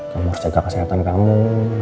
kamu harus jaga kesehatan kamu